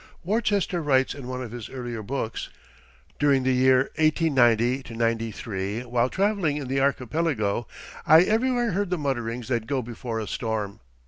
Worcester writes in one of his earlier books, "During the years 1890 93, while traveling in the archipelago, I everywhere heard the mutterings that go before a storm.